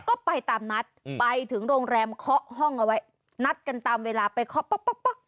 ก็ไปตามนัดไปถึงโรงแรมเคาะห้องเอาไว้นัดกันตามเวลาไปเคาะป๊อกป๊อกป๊อก